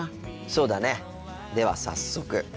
そうだねでは早速。